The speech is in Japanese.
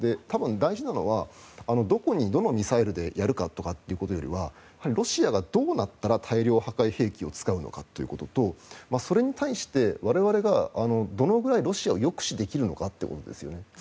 多分、大事なのはどこにどのミサイルでやるかということよりはロシアがどうなったら大量破壊兵器を使うのかということとそれに対して我々がどのくらいロシアを抑止できるのかということですよね。